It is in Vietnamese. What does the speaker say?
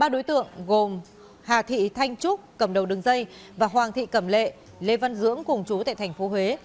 ba đối tượng gồm hà thị thanh trúc cầm đầu đường dây và hoàng thị cầm lệ lê văn dưỡng cùng chú tại thành phố huế